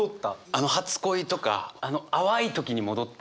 あの初恋とかあの淡い時に戻った。